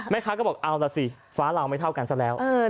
เขาบอกเอาล่ะสิฟ้าเราไม่เท่ากันซะแล้ว